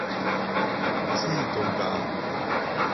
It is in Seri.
Siitom caha.